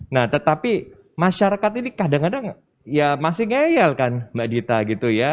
nah tetapi masyarakat ini kadang kadang ya masih ngeyel kan mbak dita gitu ya